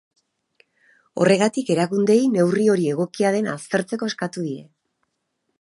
Horregatik, erakundeei neurri hori egokia den aztertzeko eskatu die.